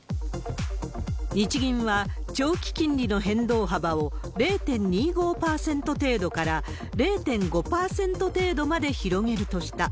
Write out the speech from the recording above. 日銀は長期金利の変動幅を０．２５パーセント程度から０．５％程度まで広げるとした。